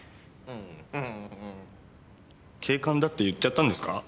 警官だって言っちゃったんですか？